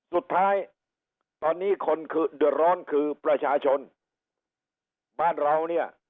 สุดท้ายตอนนี้คนคือเดือดร้อนคือประชาชนบ้านเราเนี่ย